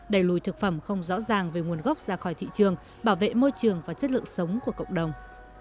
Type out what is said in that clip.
đẩy lùi thực phẩm không rõ ràng về nguồn gốc ra khỏi thị trường bảo vệ môi trường và chất lượng sống của cộng đồng